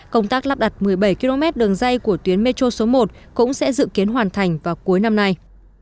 công tác lắp đặt một mươi bảy km đường dây của tuyến metro số một cũng sẽ dự kiến hoàn thành vào cuối năm nay